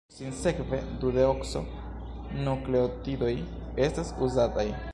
Sinsekve, dudeokso-nukleotidoj estas uzataj.